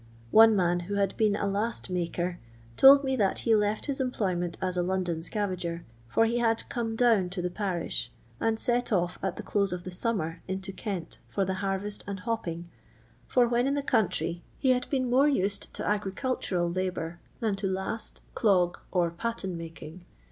One man, who had been a last maker, told me that he left his employment as a London scavager, for he had "come down to the parish," and set off at the close of the summer into Kent for the harvest and hopping, for, when in the country, he had been LONDON LABOUR ^TO WBB LONDON POOH. more uaed to ngrienhmiil laboar ftin to hut, clog, or patten making.